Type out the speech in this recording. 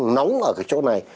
nóng ở cái chỗ này